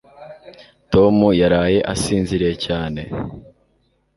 Toma yaraye asinziriye cyane